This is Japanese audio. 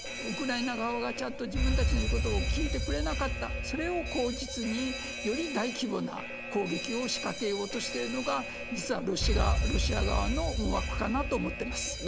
ウクライナ側がちゃんと自分たちの言うことを聞いてくれなかったそれを口実により大規模な攻撃を仕掛けようとしてるのが実は、ロシア側の思惑かなと思ってます。